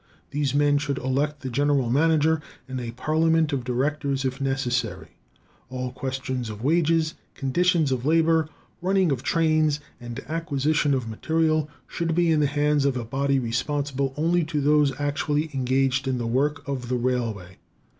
These men should elect the general manager, and a parliament of directors if necessary. All questions of wages, conditions of labor, running of trains, and acquisition of material, should be in the hands of a body responsible only to those actually engaged in the work of the railway.